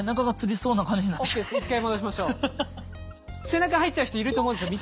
背中入っちゃう人いると思うんですよ